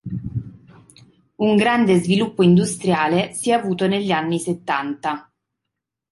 Un grande sviluppo industriale si è avuto negli anni settanta.